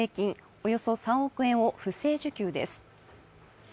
およそ３億円を不正受給です。